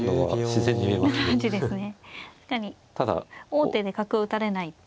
王手で角を打たれない。